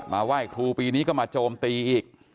ไหว้ครูปีนี้ก็มาโจมตีอีก